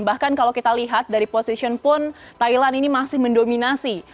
bahkan kalau kita lihat dari position pun thailand ini masih mendominasi